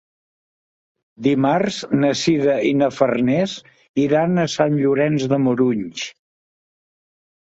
Dimarts na Sira i na Farners iran a Sant Llorenç de Morunys.